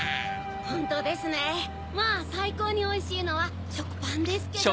ホントですねまぁさいこうにおいしいのはしょくパンですけど。